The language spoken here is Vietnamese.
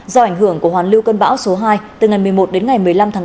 do ảnh hưởng của hoàn lưu cơn bão số hai từ ngày một mươi một đến ngày một mươi năm tháng tám